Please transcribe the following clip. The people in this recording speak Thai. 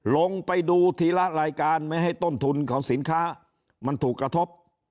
ลงไปดูทีละรายการไม่ให้ต้นทุนของสินค้ามันถูกกระทบ